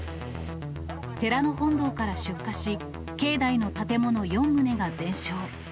寺の本堂から出火し、境内の建物４棟が全焼。